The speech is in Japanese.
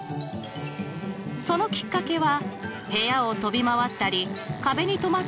そのきっかけは部屋を飛び回ったり壁に止まったりしている